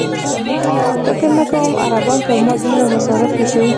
فکر نه کوم عربان پر ما دومره مصارف وکړي.